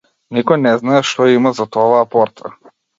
Никој не знае што има зад оваа порта.